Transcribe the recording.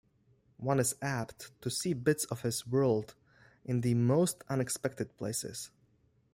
One is apt to see bits of his world in the most unexpected places.